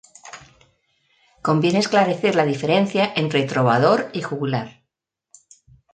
Conviene esclarecer la diferencia entre trovador y juglar.